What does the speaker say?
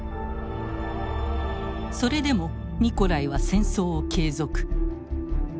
それでもニコライは戦争を継続。